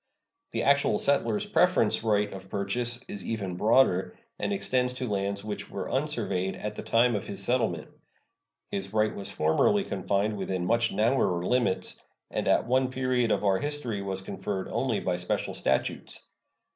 The actual settler's preference right of purchase is even broader, and extends to lands which were unsurveyed at the time of his settlement. His right was formerly confined within much narrower limits, and at one period of our history was conferred only by special statutes.